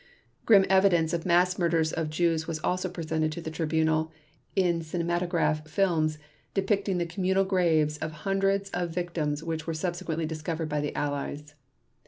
Grim evidence of mass murders of Jews was also presented to the Tribunal in cinematograph films depicting the communal graves of hundreds of victims which were subsequently discovered by the Allies.